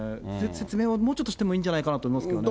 説明はもうちょっとしてもいいんじゃないかなとは思いますけどね。